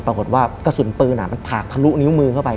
ปรากฏว่ากระสุนปืนมันถากทะลุนิ้วมือเข้าไป